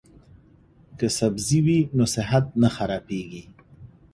که سبزی وي نو صحت نه خرابیږي.